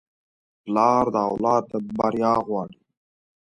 پلار د اولاد بریا غواړي.